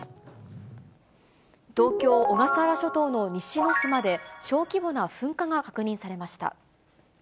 東京・小笠原諸島の西之島で、小規模な噴火が確認されました。